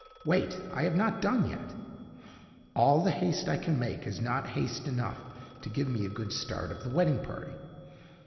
Wait! I have not done yet. All the haste I can make is not haste enough to give me a good start of the wedding party.